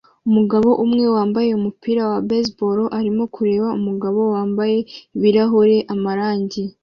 Umugabo umwe wambaye umupira wa baseball arimo kureba umugabo wambaye ibirahure amarangi